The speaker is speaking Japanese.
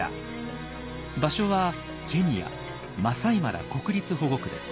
場所はケニアマサイマラ国立保護区です。